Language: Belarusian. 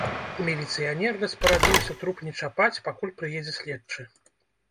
Міліцыянер распарадзіўся труп не чапаць, пакуль прыедзе следчы.